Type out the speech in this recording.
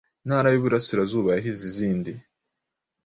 Intara y’Iburasirazuba yahize izindi